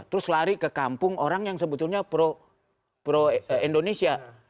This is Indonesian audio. terus lari ke kampung orang yang sebetulnya pro indonesia